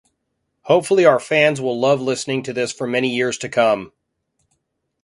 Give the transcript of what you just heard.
Hopefully our fans will love listening to this for many years to come.